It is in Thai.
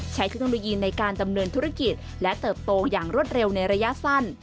เทคโนโลยีในการดำเนินธุรกิจและเติบโตอย่างรวดเร็วในระยะสั้น